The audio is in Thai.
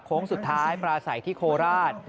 สุดท้ายปราศัยที่โคราช